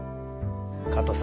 加藤さん